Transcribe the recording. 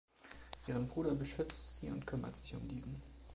Ihren Bruder beschützt sie und kümmert sich um diesen.